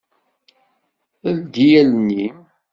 Ldi allen-im.